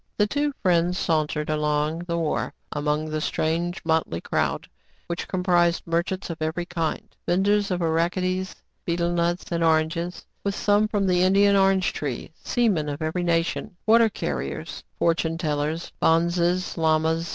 The two friends sauntered along the wharf among the strange, motley crowd, which comprised merchants of every kind; venders of arachides, betel nuts, and oranges, with some from the Indian orange tree ; seamen of every nation, water car riers, fortune tellers, bonzes, lamas.